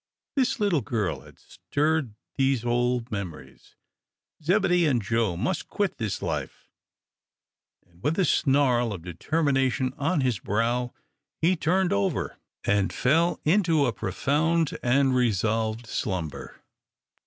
This little girl had stirred these old memories Zebedee and Joe must quit this life, and, with a snarl of determination on his brow, he turned over and fell into a profound and resolved slumber.